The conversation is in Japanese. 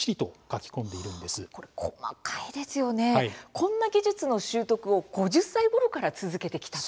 こんな技術の習得を５０歳ごろから続けてきたと。